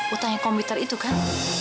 utang yang komputer itu kan